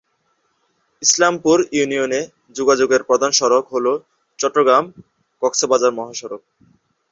ইসলামপুর ইউনিয়নে যোগাযোগের প্রধান সড়ক হল চট্টগ্রাম-কক্সবাজার মহাসড়ক।